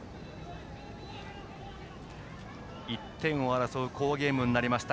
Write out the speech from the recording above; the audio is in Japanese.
１点を争う好ゲームになりました